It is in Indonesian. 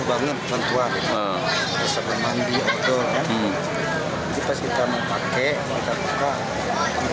apa aja yang expired